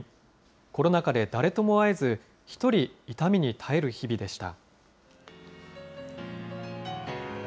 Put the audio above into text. コロナ禍で誰とも会えず、一人、痛みに耐える日々でした。